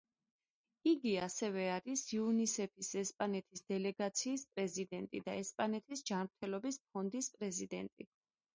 იგი ასევე არის იუნისეფის ესპანეთის დელეგაციის პრეზიდენტი და ესპანეთის ჯანმრთელობის ფონდის პრეზიდენტი.